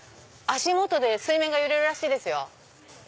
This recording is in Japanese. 足元で水面が揺れるらしいですよ。